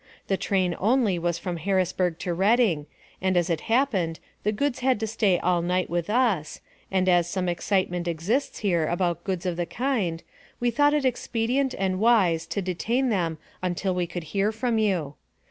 The train only was from Harrisburg to Reading, and as it happened, the goods had to stay all night with us, and as some excitement exists here about goods of the kind, we thought it expedient and wise to detain them until we could hear from you.